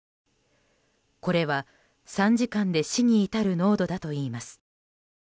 これは、３時間で死に至る濃度だといいます。